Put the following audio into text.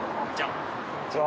こんにちは。